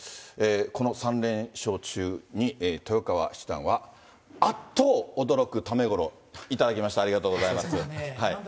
この３連勝中に豊川七段は、あっと驚くためごろう、いただきました、ありがとうございます。